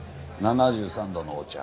７３度のお茶。